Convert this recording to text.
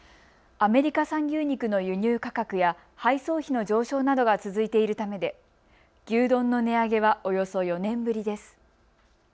アメリカ産牛肉の輸入価格や配送費の上昇などが続いているためで牛丼の値上げはおよそ４年ぶりです。